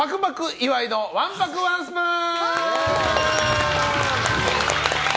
岩井のわんぱくワンスプーン！